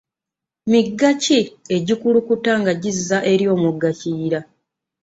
Migga ki egikulukuta nga gizza eri omugga kiyira?